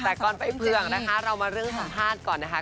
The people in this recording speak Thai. แต่ก่อนไปเผือกนะคะเรามาเรื่องสัมภาษณ์ก่อนนะคะ